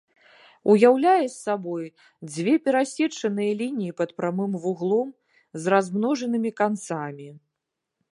Уяўляе сабой дзве перасечаныя лініі пад прамым вуглом з размножанымі канцамі.